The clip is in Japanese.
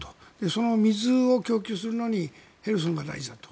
その水を供給するのにヘルソンが大事だと。